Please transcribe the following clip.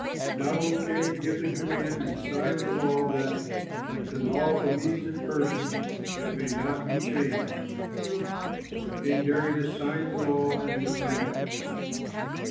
Now, O king, give the command and sign the law that, like the law of the Medes and Persians, it may not be changed." So King Darius signed the law and the command.